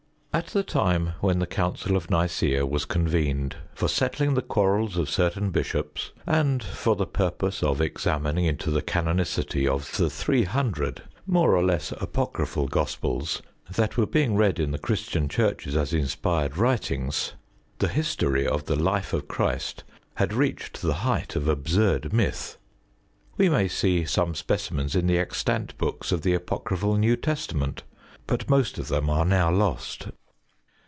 At the time when the Council of Nicea was convened for settling the quarrels of certain bishops, and for the purpose of examining into the canonicity of the three hundred more or less apocryphal gospels that were being read in the Christian churches as inspired writings, the history of the life of Christ had reached the height of absurd myth. We may see some specimens in the extant books of the apocryphal New Testament, but most of them are now lost.